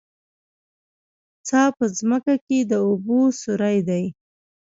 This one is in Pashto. څا په ځمکه کې د اوبو سوری دی